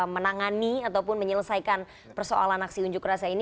menangani ataupun menyelesaikan persoalan aksi unjuk rasa ini